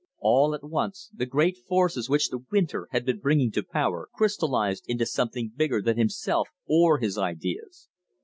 All at once the great forces which the winter had been bringing to power, crystallized into something bigger than himself or his ideas.